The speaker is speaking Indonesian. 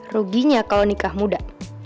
ruginya kalau nikah muda